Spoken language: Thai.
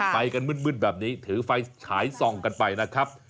ไปกันมืดแบบนี้ถือไฟฉายส่องกันไปนะครับ